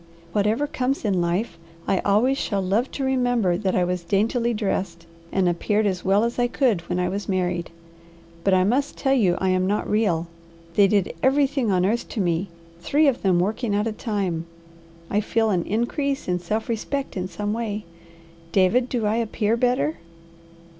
Whatever comes in life I always shall love to remember that I was daintily dressed and appeared as well as I could when I was married. But I must tell you I am not real. They did everything on earth to me, three of them working at a time. I feel an increase in self respect in some way. David, I do appear better?"